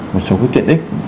một số quyết tiện ích